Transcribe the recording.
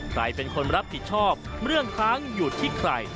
ใครเป็นคนรับผิดชอบเรื่องค้างอยู่ที่ใคร